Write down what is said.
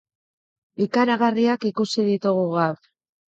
Ikaragarriak ikusi ditugu gaur.